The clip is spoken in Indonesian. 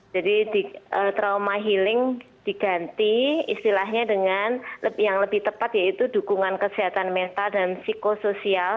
jadi trauma healing diganti istilahnya dengan yang lebih tepat yaitu dukungan kesehatan mental dan psikosoial